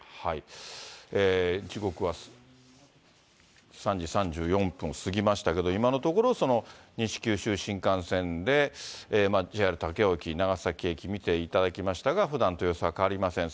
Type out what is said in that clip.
時刻は３時３４分を過ぎましたけど、今のところ、西九州新幹線でＪＲ武雄温泉駅、長崎駅、見ていただきましたが、ふだんと様子は変わりません。